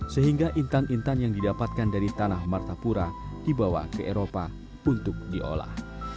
sehingga intan intan yang didapatkan dari tanah martapura dibawa ke eropa untuk diolah